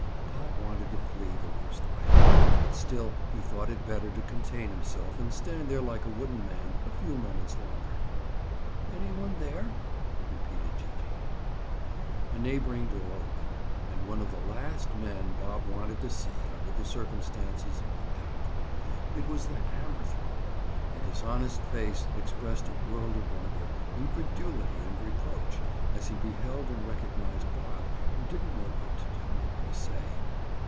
Bob wanted to flee the worst way, but still he thought it better to contain himself and stand there like a wooden man a few moments longer. "Any one there?" repeated Gee gee. A neighboring door opened and one of the last men Bob wanted to see, under the circumstances, looked out. It was the hammer thrower and his honest face expressed a world of wonder, incredulity and reproach, as he beheld and recognized Bob, who didn't know what to do, or to say.